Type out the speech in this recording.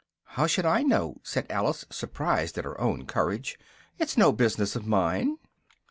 "How should I know?" said Alice, surprised at her own courage, "it's no business of mine."